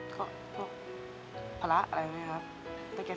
ก็พละอะไรเลยครับ